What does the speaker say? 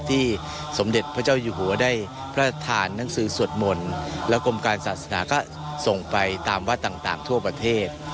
สมเด็จพระเจ้าอยู่หัวได้พระทานหนังสือสวดมนต์แล้วกรมการศาสนาก็ส่งไปตามวัดต่างทั่วประเทศ